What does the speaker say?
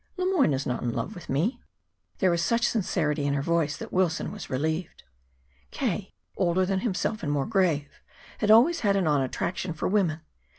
Le Moyne is not in love with me." There was such sincerity in her voice that Wilson was relieved. K., older than himself and more grave, had always had an odd attraction for women.